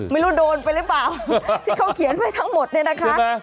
โดนไปหรือเปล่าที่เขาเขียนไว้ทั้งหมดเนี่ยนะคะ